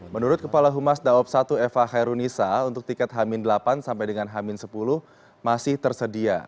menurut kepala humas daob satu eva hairunisa untuk tiket hamin delapan sampai dengan hamin sepuluh masih tersedia